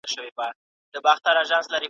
چا پوستين كړ له اوږو ورڅخه پورته .